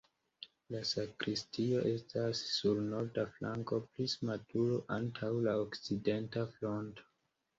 La sakristio estas sur norda flanko, prisma turo antaŭ la okcidenta fronto.